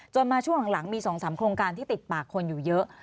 มาช่วงหลังมี๒๓โครงการที่ติดปากคนอยู่เยอะ